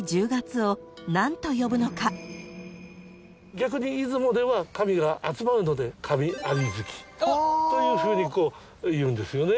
逆に出雲では神が集まるので。というふうにいうんですよね。